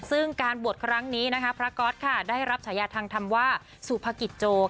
ซึ่งการบวชครั้งนี้นะคะพระก๊อตค่ะได้รับฉายาทางธรรมว่าสุภกิจโจ